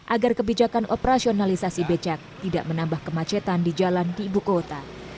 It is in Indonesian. agar kebijakan operasionalisasi becak tidak menambah kemacetan di jalan di ibu kota